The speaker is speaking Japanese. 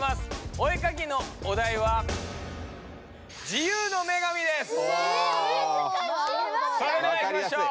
お絵かきのお題はそれではいきましょう。